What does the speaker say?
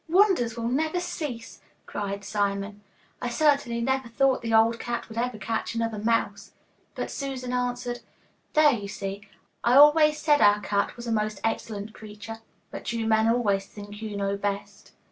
'Wonders will never cease,' cried Simon. 'I certainly never thought the old cat would ever catch another mouse.' But Susan answered, 'There, you see, I always said our cat was a most excellent creature but you men always think you know best.